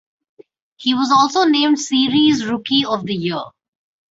He was also named series Rookie of the Year.